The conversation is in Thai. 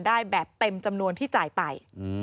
ได้แบบเต็มจำนวนที่จ่ายไป